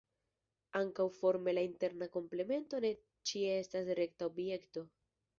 Ankaŭ forme la interna komplemento ne ĉie estas rekta objekto.